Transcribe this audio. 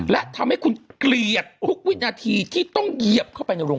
และทำให้คุณเกลียดทุกวินาทีที่ต้องเหยียบเข้าไปในโรง